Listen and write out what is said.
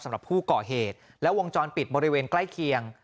สำหรับผู้ก่อเหตุและวงจรปิดบริเวณใกล้เคียง